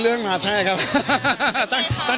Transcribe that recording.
หรือว่าไม่ค่อย